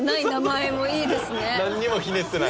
なんにもひねってない。